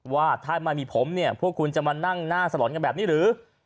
ว่าถ้าไม่มีผมเนี่ยพวกคุณจะมานั่งหน้าสลอนกันแบบนี้หรือ